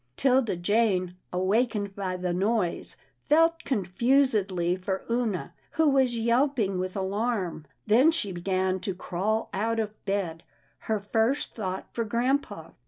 'Tilda Jane, awakened by the noise, felt con fusedly for Oonah, who was yelping with alarm, then she began to crawl out of bed, her first thought for grampa.